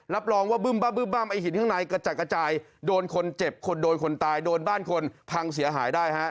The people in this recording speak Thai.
รับรองว่าไอ้หินข้างในกระจ่ายโดนคนเจ็บโดนคนตายโดนบ้านคนพังเสียหายได้